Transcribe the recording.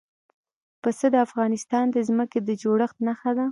پسه د افغانستان د ځمکې د جوړښت نښه ده.